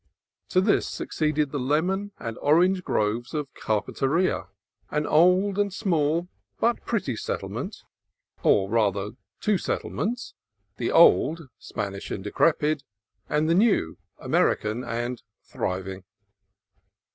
To this succeeded the lemon and orange groves of Carpinteria, an old and small but pretty settle 82 CALIFORNIA COAST TRAILS ment; or rather, two settlements, the old, Spanish and decrepit, and the new, American and thriving.